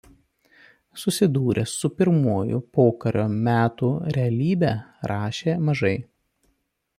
Susidūręs su pirmųjų pokario metų realybe rašė mažai.